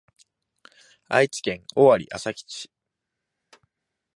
愛知県尾張旭市